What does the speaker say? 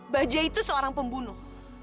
bajak itu seorang pembunuh